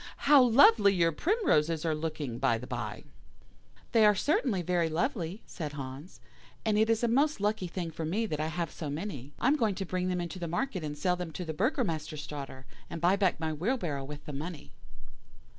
How lovely your primroses are looking, by the bye!" "'They are certainly very lovely,' said Hans, 'and it is a most lucky thing for me that I have so many. I am going to bring them into the market and sell them to the Burgomaster's daughter, and buy back my wheelbarrow with the money.